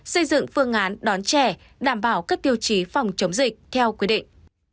xây dựng phương án đón trẻ đảm bảo các tiêu chí phòng chống dịch theo quy định